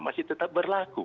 masih tetap berlaku